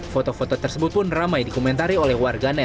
foto foto tersebut pun ramai dikomentari oleh warganet